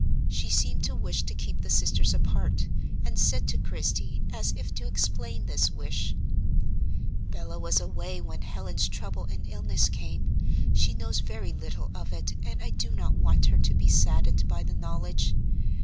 She seemed to wish to keep the sisters apart, and said to Christie, as if to explain this wish: "Bella was away when Helen's trouble and illness came, she knows very little of it, and I do not want her to be saddened by the knowledge.